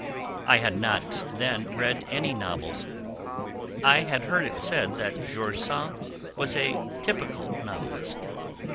I had not then read any real novels. I had heard it said that George Sand was a typical novelist.